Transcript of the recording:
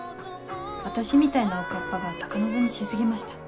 私みたいなおかっぱが高望みし過ぎました。